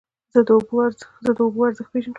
زه د اوبو ارزښت پېژنم.